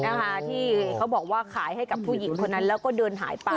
นะคะที่เขาบอกว่าขายให้กับผู้หญิงคนนั้นแล้วก็เดินหายไป